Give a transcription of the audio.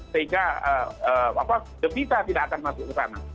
sehingga devisa tidak akan masuk ke sana